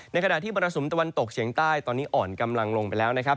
ขณะที่มรสุมตะวันตกเฉียงใต้ตอนนี้อ่อนกำลังลงไปแล้วนะครับ